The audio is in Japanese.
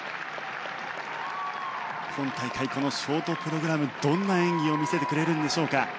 今大会、このショートプログラムどんな演技を見せてくれるんでしょうか。